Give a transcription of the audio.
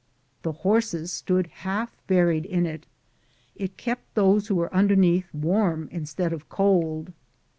The horses stood half buried in it. It kept those who were underneath warm instead of cold.